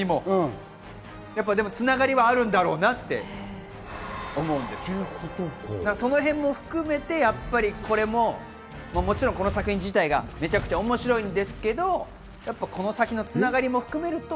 でも、つながりはあるんだろうなって思うんですけど、その辺も含めて、これももちろんこの作品自体がめちゃくちゃ面白いんですけれど、この先のつながりも含めると。